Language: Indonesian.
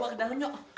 masa badak banget